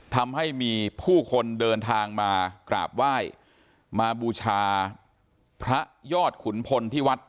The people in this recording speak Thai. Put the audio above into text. ทำให้มีผู้คนเดินทางมากราบไหว้มาบูชาพระยอดขุนพลที่วัด